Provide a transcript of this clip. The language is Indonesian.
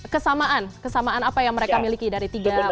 kesamaan kesamaan apa yang mereka miliki dari tiga